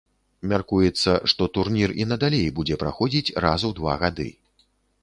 Мяркуецца, што турнір і надалей будзе праходзіць раз у два гады.